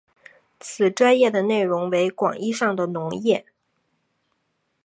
此专页的内容为广义上的农业。